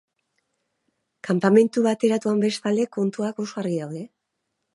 Kanpamentu bateratuan, bestalde, kontuak oso argi daude.